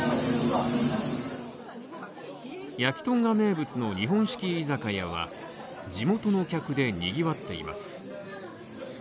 焼きトンが名物の日本式居酒屋は、地元の客でにぎわっています。